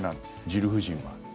ジル夫人は。